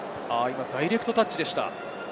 ダイレクトタッチでした。